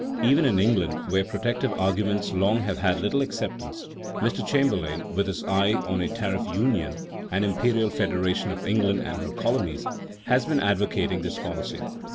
Even in England, where protective arguments long have had little acceptance, Mr. Chamberlain, with his eye on a tariff union and imperial federation of England and her colonies, has been advocating this policy.